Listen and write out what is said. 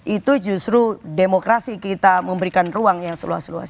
itu justru demokrasi kita memberikan ruang yang seluas luas